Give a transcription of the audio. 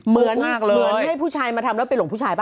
เห็นให้ผู้ชายมาทำแล้วเป็นหลวงผู้ชายป่ะ